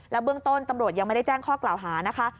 เบื้องต้นตำรวจยังไม่ได้แจ้งข้อกล่าวหานะคะ